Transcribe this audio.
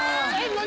何？